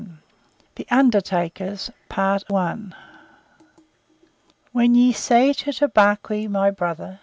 THE UNDERTAKERS When ye say to Tabaqui, "My Brother!"